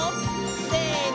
せの！